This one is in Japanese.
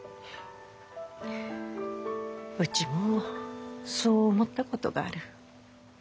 うちもそう思ったことがある。